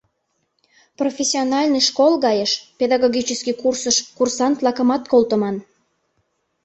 Профессиональный школ гайыш, педагогический курсыш курсант-влакымат колтыман.